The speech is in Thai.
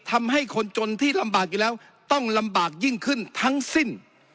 ทำให้คนจนที่ลำบากอยู่แล้วต้องลำบากยิ่งขึ้นทั้งสิ้น